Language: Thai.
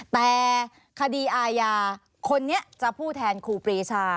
แต่คดีอาญาคนนี้จะพูดแทนครูปรีชา